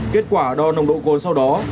kết quả đo nồng độ gồm sau đó